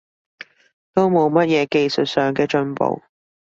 都冇乜嘢技術上嘅進步